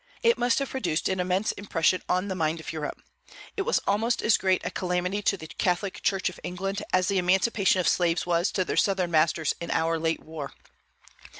It must have produced an immense impression on the mind of Europe. It was almost as great a calamity to the Catholic Church of England as the emancipation of slaves was to their Southern masters in our late war.